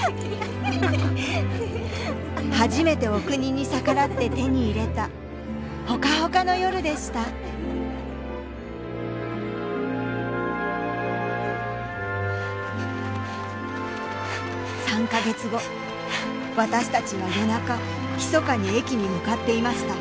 初めてお国に逆らって手に入れたほかほかの夜でした３か月後私たちは夜中ひそかに駅に向かっていました。